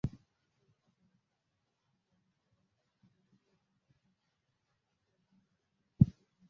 সমস্ত গান John Doe এবং এক্সেন সেরভেনকা দ্বারা লিখিত।